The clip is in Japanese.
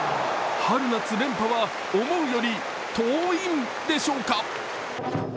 春夏連覇は思うより遠いんでしょうか。